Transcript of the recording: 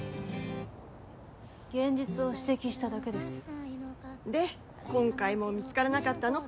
現実を指摘しただけですで今回も見つからなかったの？